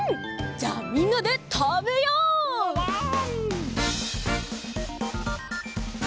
じゃあみんなでたべよう！わわん！